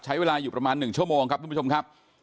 ใช้เวลาอยู่ประมาณ๑ชั่วโมงครับทุกผู้ชมครับ